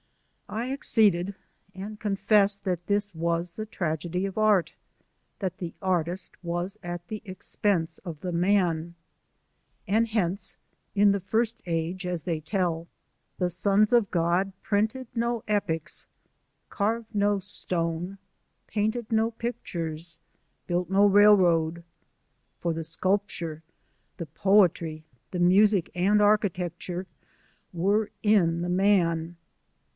I acceded and con fessed that this was the tragedy of Art that the artist was at the expense of the man ; and hence, in the first age, as they tell, the sotfs of* God printed no epics, carved no stone, painted no pictures, buii't no railroad; for the sculpture, the poetry, the music, and architecture, were in the man.